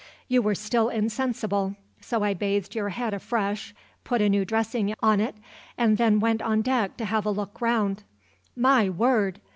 "You were still insensible, so I bathed your head afresh, put a new dressing on it, and then went on deck to have a look round. My word!